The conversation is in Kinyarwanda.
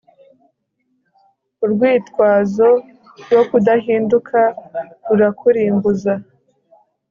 Urwitwazo rwo kudahinduka rurakurimbuza